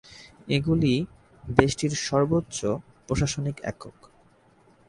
এগুলি দেশটির সর্বোচ্চ প্রশাসনিক একক।